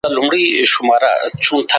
ښوونکی زدهکوونکو ته د پوهې اهمیت ښيي.